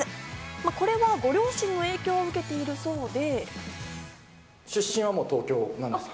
これはご両親の影響を受けているそうで。